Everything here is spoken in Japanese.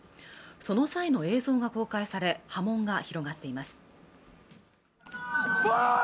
その際の映像が公開され波紋が広がっています